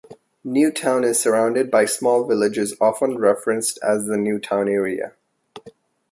Newtown is surrounded by small villages often referenced as the Newtown area.